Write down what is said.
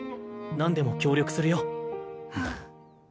なんでも協力するよ。